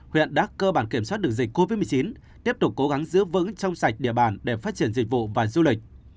huyện đã cơ bản kiểm soát được dịch covid một mươi chín tiếp tục cố gắng giữ vững trong sạch địa bàn để phát triển dịch vụ và du lịch